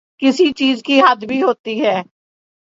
کسی چیز کی حد بھی ہوتی ہے۔